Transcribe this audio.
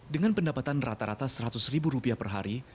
dengan pendapatan rata rata seratus ribu rupiah per hari